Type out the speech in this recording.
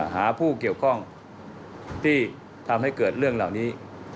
หาผู้เกี่ยวข้องที่ทำให้เกิดเรื่องเหล่านี้